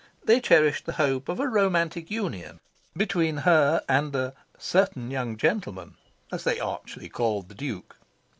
they cherished the hope of a romantic union between her and "a certain young gentleman," as they archly called the Duke.